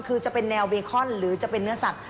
คือจะเป็นแนวเบคอนหรือจะเป็นเนื้อสัตว